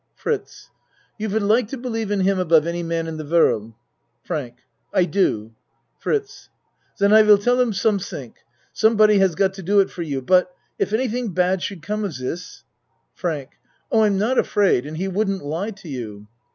FRITZ You would like to believe in him above any man in the world? FRANK I do. FRITZ Den I will ask him some ding some body has got to do it for you but if anything bad should come of dis FRANK Oh I'm not afraid and he wouldn't lie to you!